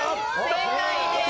正解です。